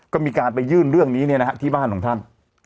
ก็มีการไปยื่นเรื่องนี้ที่บ้านของท่าน